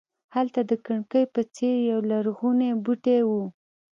هلته د کړکۍ په څېر یولرغونی بوټی و.